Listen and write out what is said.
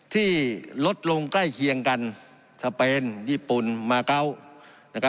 ที่ลดลงใกล้เคียงกันทะเบนญี่ปุ่นมาเกาะนะครับ